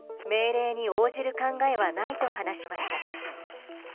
命令に応じる考えはないと話しました。